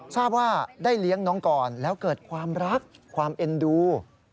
ทราบว่าได้เลี้ยงน้องก่อนแล้วเกิดความรักความเอ็นดู